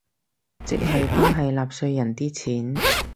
即係都係納稅人啲錢